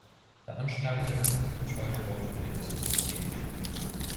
Veranstalter ist die Detroit Auto Dealers Association.